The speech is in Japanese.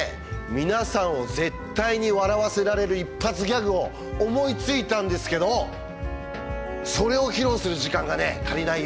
皆さんを絶対に笑わせられる一発ギャグを思いついたんですけどそれを披露する時間がね足りない。